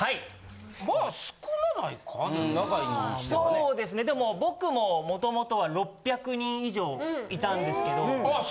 そうですね、でも僕も、もともとは６００人以上いたんですけど。